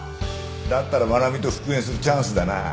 だったら愛菜美と復縁するチャンスだな。